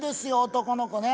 男の子ね。